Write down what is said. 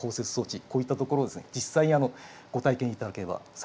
こういったところを実際にご体験頂ければ幸いです。